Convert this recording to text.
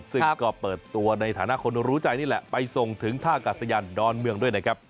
ซึ่งก็เปิดตัวในฐานะคนรู้ใจนี่แหละไปส่งถึงท่ากาศยานดอนเมืองด้วยนะครับ